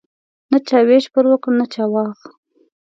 نه چا ویش پر وکړ نه چا واخ.